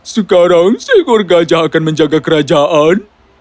sekarang seekor gajah akan menjaga kerajaan